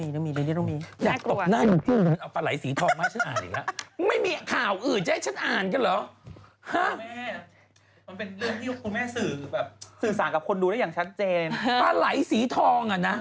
ในตลบนแม่นาเรืออำเภอจังหวัดภายาว